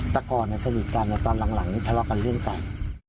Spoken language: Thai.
แต่ก่อนสนิทกันตอนหลังนี้ทะเลาะกันเรื่องกัน